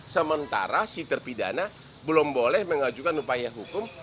sementara si terpidana belum boleh mengajukan upaya hukum